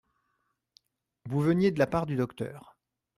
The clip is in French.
Vous veniez de la part du docteur.